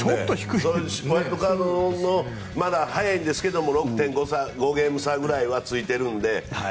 ワイルドカードまだ早いんですけど６．５ゲーム差くらいはついているので。